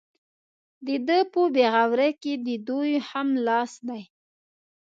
د ده په بې غورۍ کې د دوی هم لاس دی.